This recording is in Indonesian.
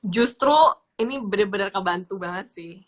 justru ini bener bener kebantu banget sih